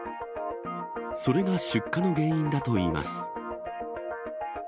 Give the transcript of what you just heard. それが出火の原因だといいます。